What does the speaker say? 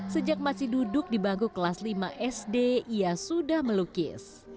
sejak masih duduk di bangku kelas lima sd ia sudah melukis